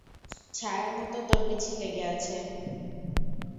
ছায়ার মতো তোর পিছে লেগে আছে।